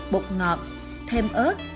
bột ngọt thêm ớt